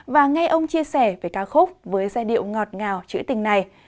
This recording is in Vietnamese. và nghe ông chia sẻ về ca khúc với giai điệu ngọt ngào chữ tình này